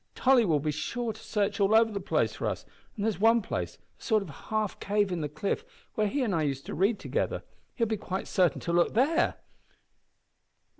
"Tolly will be sure to search all over the place for us, and there's one place, a sort of half cave in the cliff, where he and I used to read together. He'll be quite certain to look there."